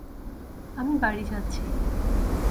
আমি বাড়ি যাচ্ছি।